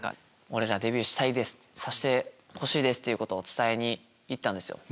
俺らデビューさせてほしいですってことを伝えに行ったんです。